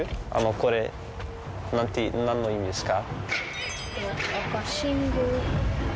これ何の意味ですか？